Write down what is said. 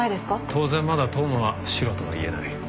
当然まだ当麻はシロとは言えない。